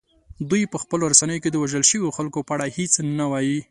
دوی په خپلو رسنیو کې د وژل شویو خلکو په اړه هیڅ نه وايي